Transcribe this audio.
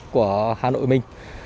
của hà nội mình